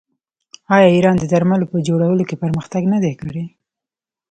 آیا ایران د درملو په جوړولو کې پرمختګ نه دی کړی؟